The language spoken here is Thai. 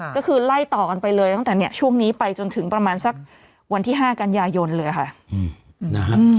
ก็คือไล่ต่อกันไปเลยตั้งแต่ช่วงนี้ไปจนถึงประมาณสักวันที่๕กันยายนเลยค่ะนะฮะ